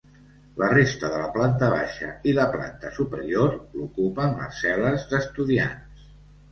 La resta de la planta baixa i la planta superior, l'ocupen les cel·les d'estudiants.